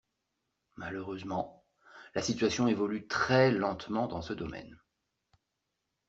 Malheureusement, la situation évolue très lentement dans ce domaine.